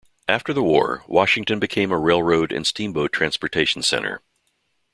After the war, Washington became a railroad and steamboat transportation center.